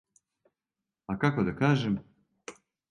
А како да кажем?